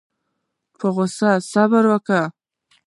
په غوسه صبر کوي.